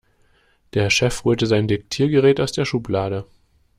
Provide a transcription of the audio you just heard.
Der Chef holte sein Diktiergerät aus der Schublade.